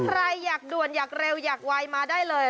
ใครอยากด่วนอยากเร็วอยากไวมาได้เลย